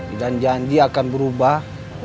idan janji akan berubah